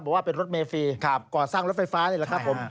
ว่าเป็นรถเมฟรีก่อสร้างรถไฟฟ้านี่แหละครับผม